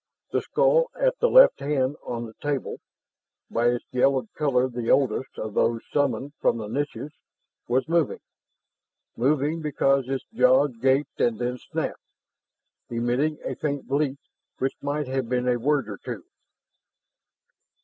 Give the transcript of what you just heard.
The skull at the left hand on the table, by its yellowed color the oldest of those summoned from the niches, was moving, moving because its jaws gaped and then snapped, emitting a faint bleat which might have been a word or two.